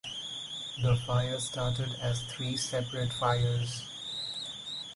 The fire started as three separate fires.